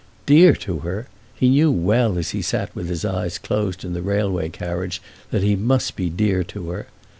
Dear to her! He knew well as he sat with his eyes closed in the railway carriage that he must be dear to her!